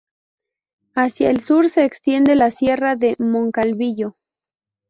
Hacia el sur se extiende la Sierra de Moncalvillo.